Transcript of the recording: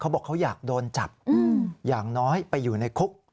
บอกเขาอยากโดนจับอย่างน้อยไปอยู่ในคุก